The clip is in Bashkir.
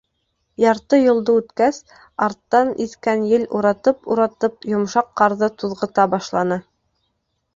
Ярты юлды үткәс, арттан иҫкән ел уратып-уратып йомшаҡ ҡарҙы туҙғыта башланы.